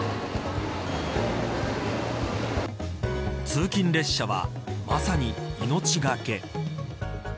通勤列車は、まさに命懸け。